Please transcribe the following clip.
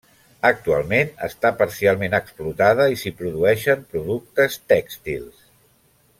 Actualment està parcialment explotada i s'hi produeixen productes tèxtils.